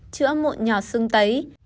chữa mụn nhọt xưng tấy